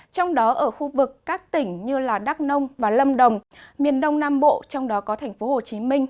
trong đó ở khu vực các tỉnh như đắk nông và lâm đồng miền đông nam bộ trong đó có thành phố hồ chí minh